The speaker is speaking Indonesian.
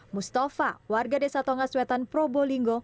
mustafa warga desa tonga suetan probolinggo